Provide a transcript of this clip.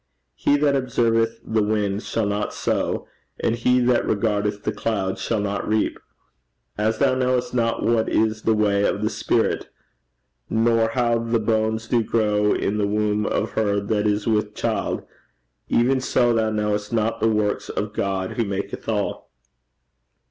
'He that observeth the wind shall not sow; and he that regardeth the clouds shall not reap. 'As thou knowest not what is the way of the spirit, nor how the bones do grow in the womb of her that is with child: even so thou knowest not the works of God who maketh all.